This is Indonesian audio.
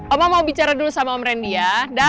om mau bicara dulu sama om randy ya